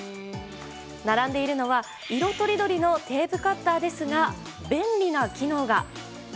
並んでいるのは色とりどりのテープカッターですが便利な機能が。